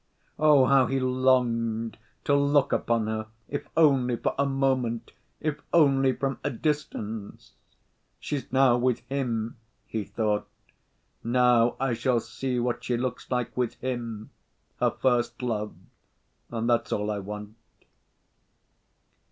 Oh, how he longed to look upon her, if only for a moment, if only from a distance! "She's now with him," he thought, "now I shall see what she looks like with him, her first love, and that's all I want."